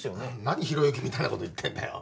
何ひろゆきみたいな事言ってんだよ。